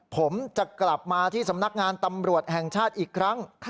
ผมจะกลับมาที่สำนักงานตำรวจแห่งชาติอีกครั้ง